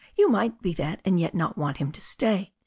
You might be that, and yet not want him to stay.